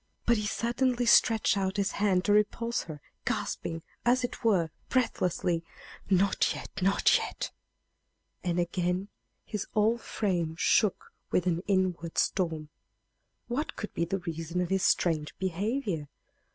But he suddenly stretched out his hand to repulse her, gasping, as it were, breathlessly, "Not yet not yet!" and again his whole frame shook with an inward storm. What could be the reason of his strange behavior?